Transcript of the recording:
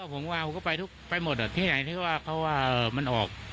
ผมว่าผมก็ไปหมดที่ไหนที่เขาว่ามันออก